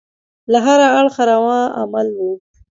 له هره اړخه روا عمل وو.